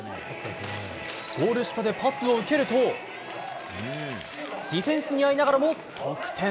ゴール下でパスを受けるとディフェンスにあいながらも得点。